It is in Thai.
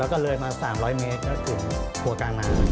แล้วก็เลยมา๓๐๐เมตรก็ถึงครัวกลางน้ำ